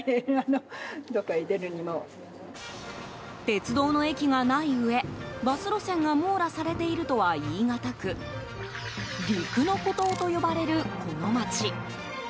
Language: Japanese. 鉄道の駅がないうえバス路線が網羅されているとは言い難く陸の孤島と呼ばれる、この町。